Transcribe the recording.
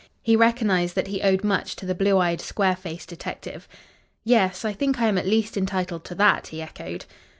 He recognised that he owed much to the blue eyed, square faced detective. "Yes, I think I am at least entitled to that," he echoed.